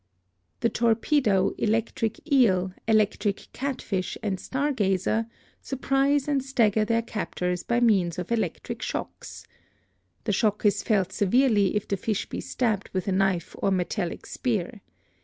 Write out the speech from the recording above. The torpedo, electric eel, electric catfish and star gazer surprise and stagger their captors by means of electric shocks. The shock is felt severely if the fish be stabbed with a knife or metallic spear.